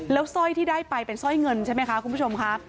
แล้วสร้อยที่ได้ไปเป็นสร้อยเงินใช่ไหมคะคุณผู้ชมค่ะ